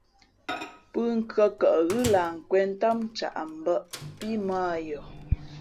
Pûnkhʉ̄ᾱ kαʼ ghʉ́ lah nkwēn ntám ncaʼ mbᾱʼ pí mᾱ ā yαα.